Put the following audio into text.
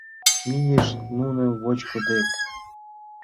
Мийышт нуно вочко дек.